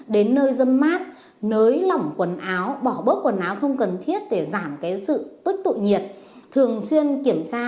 lấy lỏng quần áo bỏ bớt quần áo không cần thiết để giảm cái sự tích tụ nhiệt thường xuyên kiểm tra